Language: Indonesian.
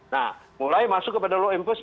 nah mulai masuk kepada lo